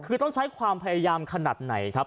คือต้องใช้ความพยายามขนาดไหนครับ